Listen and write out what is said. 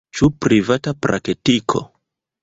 Ĉu privata praktiko?